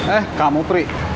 eh kamu pri